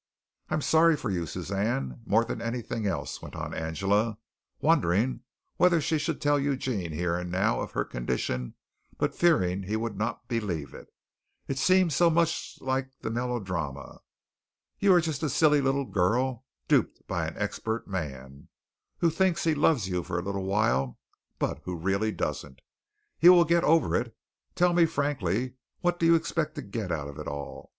I'm sorry for you, Suzanne, more than anything else," went on Angela, wondering whether she should tell Eugene here and now of her condition but fearing he would not believe it. It seemed so much like melodrama. "You are just a silly little girl duped by an expert man, who thinks he loves you for a little while, but who really doesn't. He will get over it. Tell me frankly what do you expect to get out of it all?